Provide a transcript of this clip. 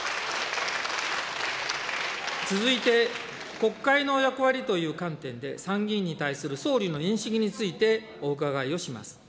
続いて、国会の役割という観点で、参議院に対する総理の認識についてお伺いをします。